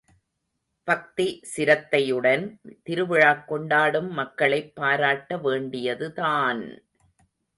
பக்தி சிரத்தையுடன் திருவிழாக் கொண்டாடும் மக்களைப் பாராட்ட வேண்டியதுதான்!